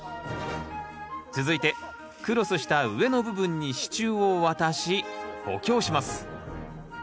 続いてクロスした上の部分に支柱を渡し補強します。